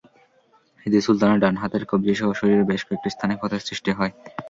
এতে সুলতানের ডান হাতের কবজিসহ শরীরের বেশ কয়েকটি স্থানে ক্ষতের সৃষ্টি হয়।